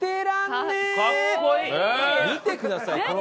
見てください